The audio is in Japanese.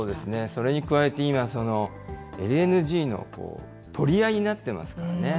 それに加えて、今、ＬＮＧの取り合いになってますからね。